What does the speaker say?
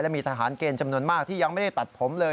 มีทหารเกณฑ์จำนวนมากที่ยังไม่ได้ตัดผมเลย